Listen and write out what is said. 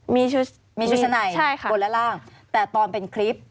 มีชุดชั้นในบนและล่างแต่ตอนเป็นคลิป